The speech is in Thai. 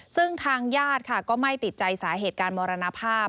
ซึ่งทางญาติค่ะก็ไม่ติดใจสาเหตุการมรณภาพ